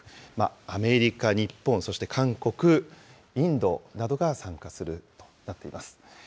アメリカ、日本、そして韓国、インドなどが参加することになっています。